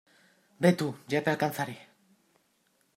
Ve tú. Ya te alcanzaré .